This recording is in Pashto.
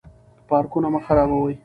پارکونه مه خرابوئ.